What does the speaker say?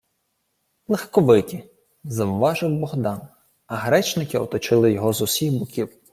— Легковиті, — завважив Богдан, а гречники оточили його з усіх боків: